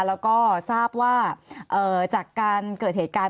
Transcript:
แล้วก็ทราบว่าจากการเกิดเหตุการณ์